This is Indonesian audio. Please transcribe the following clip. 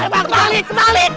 sebalik sebalik sebalik